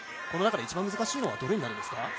この中で一番難しいのはどれになりますか？